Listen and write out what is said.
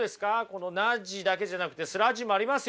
このナッジだけじゃなくてスラッジもありますよ。